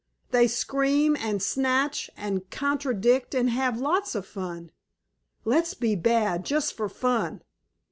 They scream, and snatch, and contradict, and have lots of fun. Let's be bad just for fun."